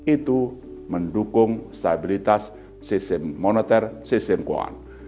itu mendukung stabilitas sistem moneter sistem keuangan